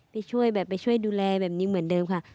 ไปช่วยแบบไปช่วยดูแลแบบนี้เหมือนเดิมค่ะ